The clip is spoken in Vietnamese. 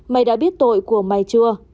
mày đã biết tội của mày chưa